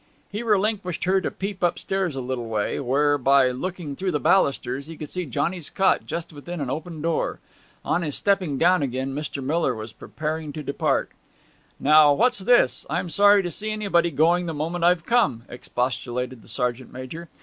He relinquished her to peep upstairs a little way, where, by looking through the ballusters, he could see Johnny's cot just within an open door. On his stepping down again Mr. Miller was preparing to depart. 'Now, what's this? I am sorry to see anybody going the moment I've come,' expostulated the sergeant major.